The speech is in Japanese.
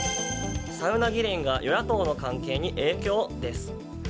サウナ議連が与野党の関係に影響？です。